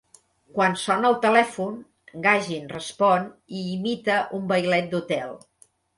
Quan sona el telèfon, Gagin respon i imita un vailet d"hotel.